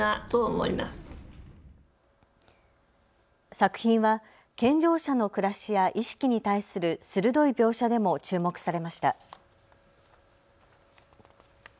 作品は健常者の暮らしや意識に対する鋭い描写でも注目されました。